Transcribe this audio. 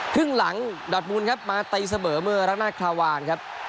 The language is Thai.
ครึ่งหลังดอดมูลครับมาตีเสมอเมื่อรักนาคาวานครับ